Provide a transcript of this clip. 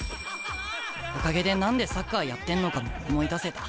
おかげで何でサッカーやってんのかも思い出せた。